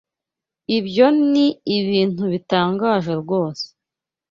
Ibyo ni ibintu bitangaje rwose.